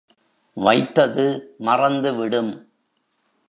வைத்தது மறந்து விடும்!